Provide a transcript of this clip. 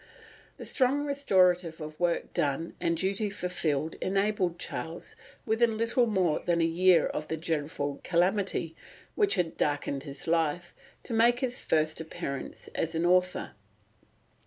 The strong restorative of work done and duty fulfilled enabled Charles, within little more than a year of the dreadful calamity which had darkened his life, to make his first appearance as an author.